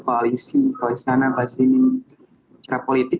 koalisi koalisana pasir cakapolitik